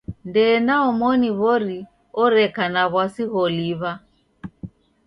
Ndee na omoni w'ori oreka na w'asi gholiw'a.